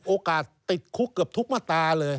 ติดคุกเกือบทุกมาตราเลย